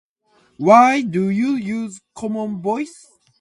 Why do you use Common Voice?